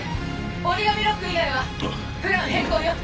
折紙ロック以外はプラン変更よ。